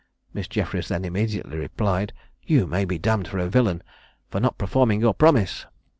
Miss Jeffries then immediately replied, "You may be d d for a villain, for not performing your promise!"